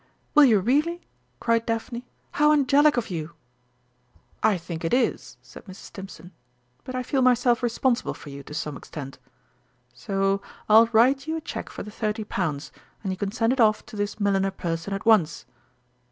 "Will you really?" cried Daphne. "How angelic of you!" "I think it is," said Mrs. Stimpson; "but I feel myself responsible for you, to some extent. So I'll write you a cheque for the thirty pounds, and you can send it off to this milliner person at once."